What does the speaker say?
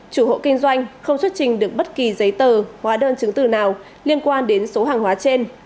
chủ hộ kinh doanh không xuất trình được bất kỳ giấy tờ hóa đơn chứng từ nào liên quan đến số hàng hóa trên